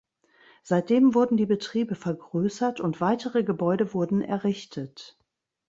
Seitdem wurden die Betriebe vergrößert und weitere Gebäude wurden errichtet.